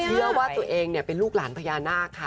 เชื่อว่าตัวเองเป็นลูกหลานพญานาคค่ะ